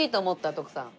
徳さん。